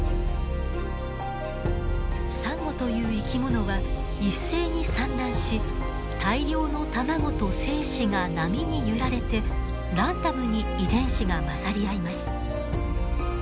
サンゴという生き物は一斉に産卵し大量の卵と精子が波に揺られてランダムに遺伝子が混ざり合います。